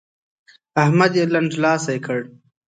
احمد يې لنډلاسی کړ.